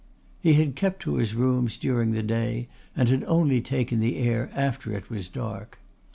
He had kept to his rooms during the day and had only taken the air after it was dark.